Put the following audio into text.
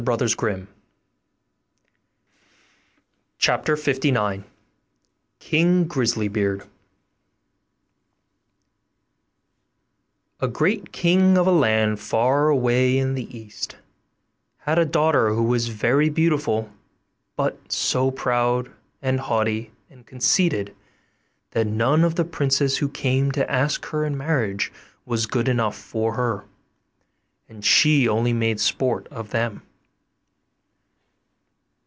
now I know what it is to shudder!' KING GRISLY BEARD A great king of a land far away in the East had a daughter who was very beautiful, but so proud, and haughty, and conceited, that none of the princes who came to ask her in marriage was good enough for her, and she only made sport of them.